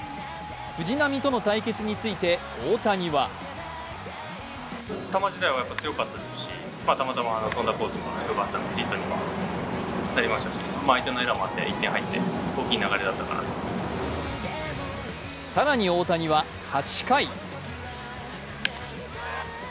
藤浪との対決について大谷は更に大谷は８回。